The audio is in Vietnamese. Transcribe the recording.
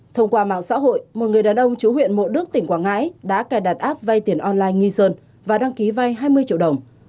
thông qua mạng xã hội một người đàn ông chủ huyện mộ đức tỉnh quảng ngãi đã cài đặt app vay tiền online nghi sơn và đăng ký vay hai mươi triệu đồng